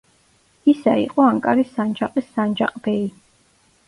ისა იყო ანკარის სანჯაყის სანჯაყ-ბეი.